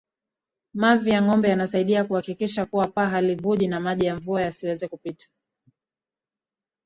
Mavi ya ngombe yanasaidia kuhakikisha kuwa paa halivuji na maji ya mvua yasiweze kupita